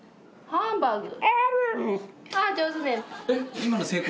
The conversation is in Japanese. ハンバーグ。